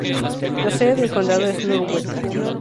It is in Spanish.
La sede del condado es Northwood.